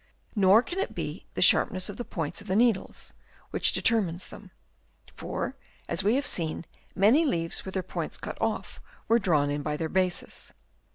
Nor can it be the sharpness of the points of the needles which determines them ; for, as we have seen, many leaves with the points cut off were drawn in by their bases.